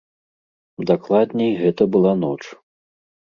Дакладней, гэта была ноч.